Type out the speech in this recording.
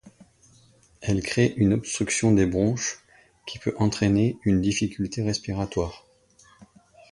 Elle crée une obstruction des bronches qui peut entrainer une difficulté respiratoire.